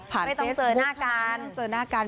ไม่ต้องเจอหน้ากัน